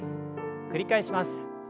繰り返します。